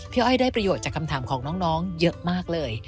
อ้อยได้ประโยชน์จากคำถามของน้องเยอะมากเลย